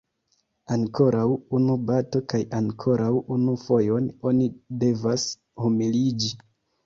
Ankoraŭ unu bato kaj ankoraŭ unu fojon oni devas humiliĝi.